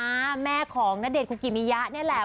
แม่ของณเดชนคุกิมิยะนี่แหละ